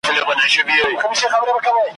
له یوه لاسه تر بل پوري رسیږي ,